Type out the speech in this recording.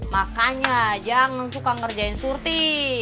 makanya jangan suka ngerjain surti